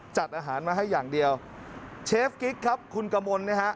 จัดอาหารมาให้อย่างเดียวเชฟกิ๊กครับคุณกมลนะฮะ